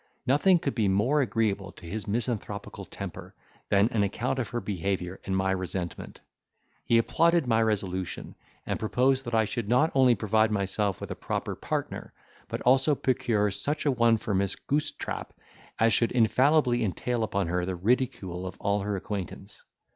Nothing could be more agreeable to his misanthropical temper than an account of her behaviour and my resentment: he applauded my resolution, and proposed that I should not only provide myself with a proper partner, but also procure such a one for Miss Goosetrap, as should infallibly entail upon her the ridicule of all her acquaintance.